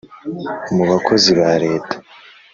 mu bakozi ba leta